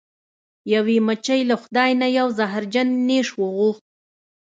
یوې مچۍ له خدای څخه یو زهرجن نیش وغوښت.